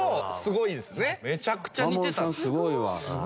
真守さんすごいわ。